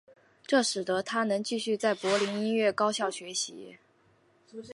这使得他能继续在柏林音乐高校学习。